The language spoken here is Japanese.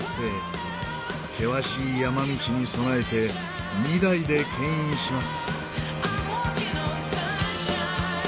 険しい山道に備えて２台で牽引します。